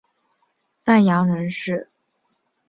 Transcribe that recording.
范阳人氏。